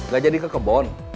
gak jadi ke kebun